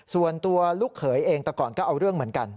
ส่วนตัวลูกเขยเองแต่ก่อนก็เอาเรื่องเหมือนกัน